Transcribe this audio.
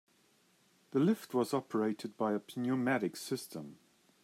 The lift was operated by a pneumatic system.